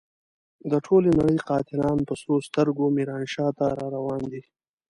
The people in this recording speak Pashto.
د ټولې نړۍ قاتلان په سرو سترګو ميرانشاه ته را روان دي.